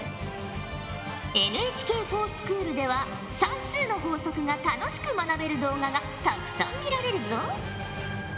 ＮＨＫｆｏｒＳｃｈｏｏｌでは算数の法則が楽しく学べる動画がたくさん見られるぞ。